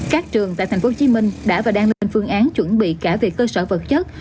các trường tại tp hcm đã và đang lên phương án chuẩn bị cả về cơ sở vật chất